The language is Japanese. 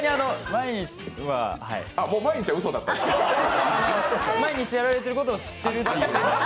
毎日やられていることを知っているという。